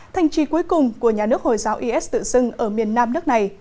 thành chi cuối cùng của nhà nước hồi giáo is tự xưng ở miền nam nước này